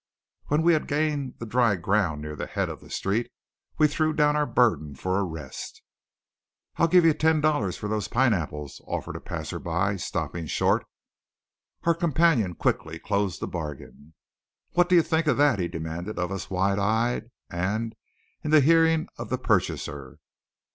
When we had gained the dry ground near the head of the street we threw down our burdens for a rest. "I'll give you ten dollars for those pineapples!" offered a passerby, stopping short. Our companion quickly closed the bargain. "What do you think of that?" he demanded of us wide eyed, and in the hearing of the purchaser.